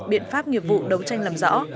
biện pháp nghiệp vụ đấu tranh làm rõ